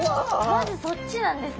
まずそっちなんですね。